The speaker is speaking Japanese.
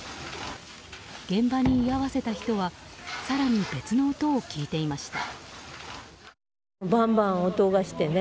現場に居合わせた人は更に別の音を聞いていました。